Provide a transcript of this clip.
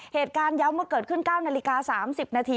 เหตุการณ์ย้ำว่าเกิดขึ้น๙นาฬิกา๓๐นาที